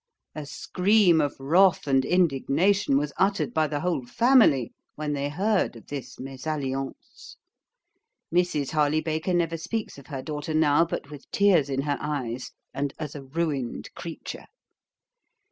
A scream of wrath and indignation was uttered by the whole family when they heard of this MESALLIANCE. Mrs. Harley Baker never speaks of her daughter now but with tears in her eyes, and as a ruined creature.